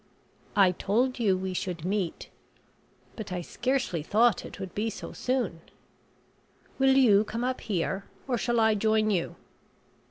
"I told you we should meet. But I scarcely thought it would be so soon. Will you come up here, or shall I join you?"